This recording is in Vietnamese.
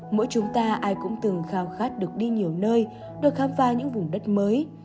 mỗi chúng ta ai cũng từng khao khát được đi nhiều nơi được khám phá những vùng đất mới